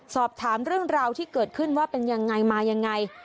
สอบถามเรื่องราวที่เกิดขึ้นว่าเป็นยังไงมายังไง